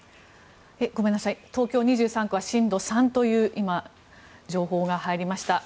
東京２３区は震度３という今、情報が入りました。